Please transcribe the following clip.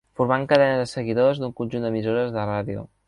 Formant cadenes de seguidors d'un conjunt d'emissores de ràdio.